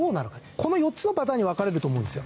この４つのパターンに分かれると思うんですよ。